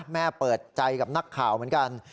แม่เปิดใจกับนักข่าวเหมือนกัน